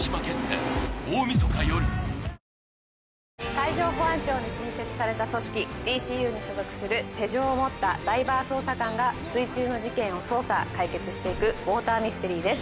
海上保安庁に新設された組織ＤＣＵに所属する手錠を持ったダイバー捜査官が水中の事件を捜査・解決していくウォーターミステリーです